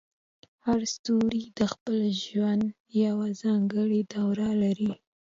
هر ستوری د خپل ژوند یوه ځانګړې دوره لري.